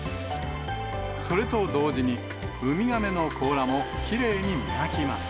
それと同時にウミガメの甲羅もきれいに磨きます。